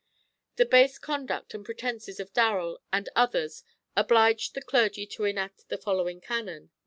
The base conduct and pretences of Darrell and others obliged the clergy to enact the following canon (No.